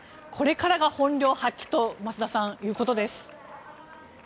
これからが本領発揮と増田さん、そういうことです。